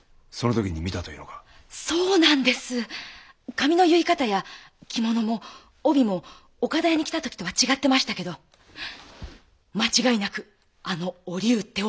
髪の結い方や着物も帯も岡田屋に来た時とは違ってましたけど間違いなくあの「おりう」って女です。